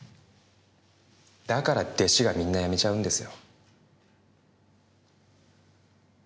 だから弟子がみんな辞めちゃうんですよ。